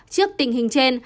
trước tình hình trên